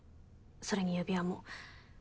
それに指輪も。